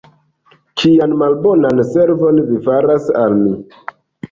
Kian malbonan servon vi faras al mi!